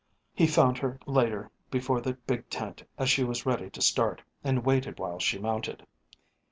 He found her later before the big tent as she was ready to start, and waited while she mounted.